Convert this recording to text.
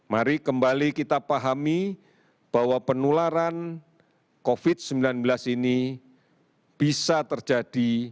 mari kembali kita pahami bahwa penularan covid sembilan belas ini bisa terjadi